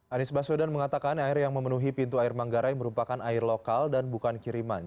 anies baswedan mengatakan air yang memenuhi pintu air manggarai merupakan air lokal dan bukan kiriman